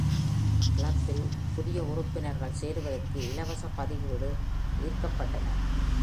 கிளப்பில் புதிய உறுப்பினர்கள் சேருவதற்கு இலவச பதிவோடு ஈர்க்கப்பட்டனர்.